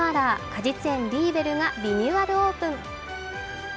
果実園リーベルがリニューアルオープン。